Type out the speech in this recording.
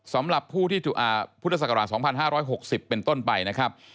สำหรับผู้ที่พุทธศักราช๒๕๖๐เป็นต้นไปนะครับ